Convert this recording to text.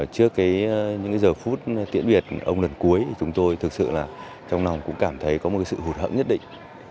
trước những giờ phút tiễn biệt ông lần cuối chúng tôi thực sự là trong lòng cũng cảm thấy có một sự hụt hẫn nhất định